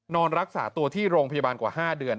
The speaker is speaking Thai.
นอนรักษาตัวที่โรงพยาบาลกว่า๕เดือน